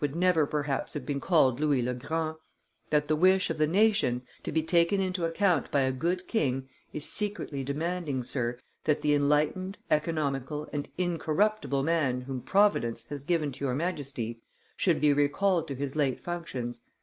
would never perhaps have been called Louis le Grand; that the wish of the nation, to be taken into account by a good king, is secretly demanding, Sir, that the enlightened, economical, and incorruptible man whom Providence has given to your Majesty, should be recalled to his late functions.